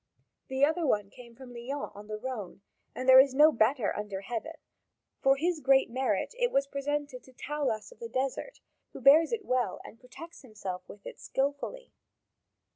The other came from Lyons on the Rhone, and there is no better under heaven; for his great merit it was presented to Taulas of the Desert, who bears it well and protects himself with it skilfully.